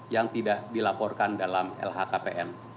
yang tidak dilaporkan dalam lhkpn